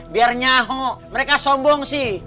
biar nyahuk mereka sombong sih